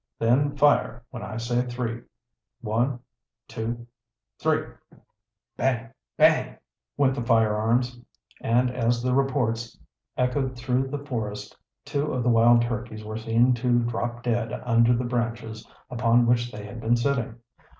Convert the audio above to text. "Then fire when I say three. One, two three!" Bang! bang! went the firearms, and as the reports echoed through the forest, two of the wild turkeys were seen to drop dead under the branches upon which they had been sitting.